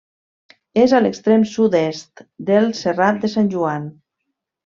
És a l'extrem sud-est del Serrat de Sant Joan.